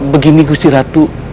begini gusti ratu